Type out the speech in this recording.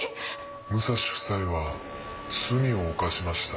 武蔵夫妻は罪を犯しました。